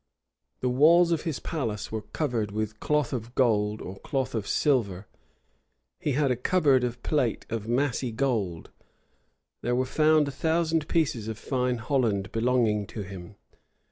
The walls of his palace were covered with cloth of gold or cloth of silver: he had a cupboard of plate of massy gold: there were found a thousand pieces of fine holland belonging to him.